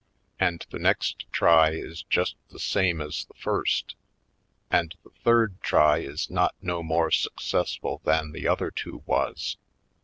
^ Colored And the next try is just the same as the first. And the third try is not no more suc cessful than the other two was.